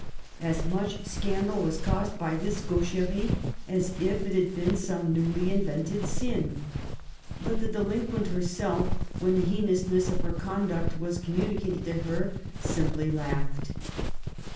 As much scandal was caused by this gaucherie as if it had been some newly invented sin ; but the delinquent herself, when the heinousness of her conduct was communi cated to her, simply laughed.